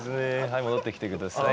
はい戻ってきてください。